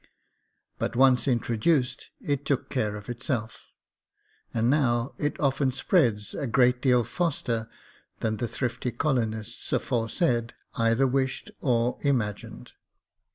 But once introduced, it took care of itself, and now it often spreads a great deal faster than the thrifty colonists aforesaid either wished or im agined.